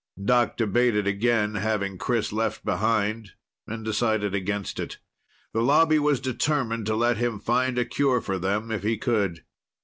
Doc debated again having Chris left behind and decided against it. The Lobby was determined to let him find a cure for them if he could.